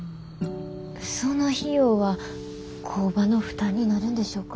その費用は工場の負担になるんでしょうか？